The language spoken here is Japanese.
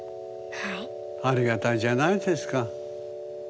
ありがたいじゃないですか。